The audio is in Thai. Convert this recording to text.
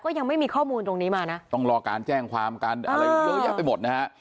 ยังไม่มีข้อมูลตรงนี้มานะต้องรอการแจ้งความการอะไรเยอะแยะไปหมดนะฮะ